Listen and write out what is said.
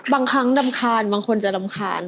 บางครั้งรำคาญบางคนจะรำคาญ